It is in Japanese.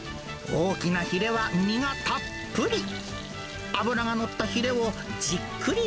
大きなヒレは身がたっぷり。